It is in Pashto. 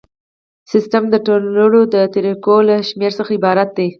سیسټم د تړلو طریقو له شمیر څخه عبارت دی.